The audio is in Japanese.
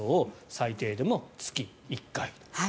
最低でも月１回。